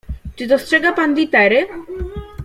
"Czy dostrzega pan litery?"